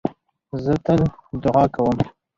زه تل دؤعا کوم.